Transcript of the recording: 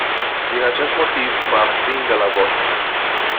Din acest motiv mă abțin de la vot.